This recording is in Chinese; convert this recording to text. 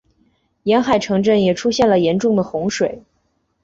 沿海城镇也出现了严重的洪水。